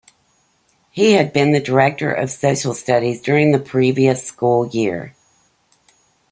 He had been the Director of Social Studies during the previous school-year.